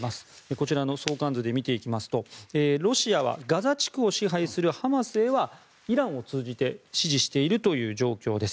こちらの相関図で見ていきますとロシアはガザ地区を支配するハマスへはイランを通じて支持しているという状況です。